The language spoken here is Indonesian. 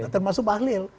termasuk pak luhut